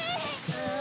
うん？